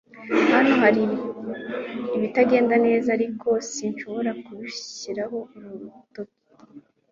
Hano hari ibitagenda neza, ariko sinshobora kubishyiraho urutoki.